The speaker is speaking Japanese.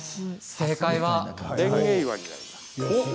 正解は。